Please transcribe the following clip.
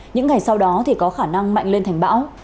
những ngày sau đó thì có khả năng mạnh lên thành bão